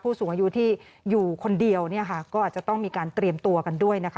สูงอายุที่อยู่คนเดียวเนี่ยค่ะก็อาจจะต้องมีการเตรียมตัวกันด้วยนะคะ